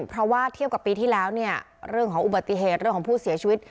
เพราะว่าเทียบกับปีที่แล้วเนี่ยเรื่องของอุบัติเหตุเรื่องของผู้เสียชีวิต